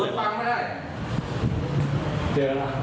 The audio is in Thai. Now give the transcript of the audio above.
เดี๋ยวนะโอเคครับ